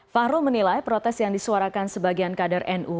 fahrul menilai protes yang disuarakan sebagian kader nu